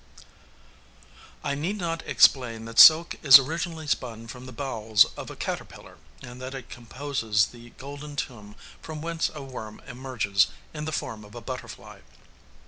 SILK I need not explain that silk is originally spun from the bowels of a caterpillar, and that it composes the golden tomb from whence a worm emerges in the form of a butterfly.